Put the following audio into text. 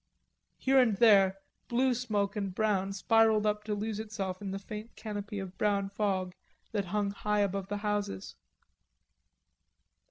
Here and there blue smoke and brown spiralled up to lose itself in the faint canopy of brown fog that hung high above the houses.